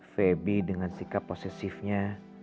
febi dengan sikap posesifnya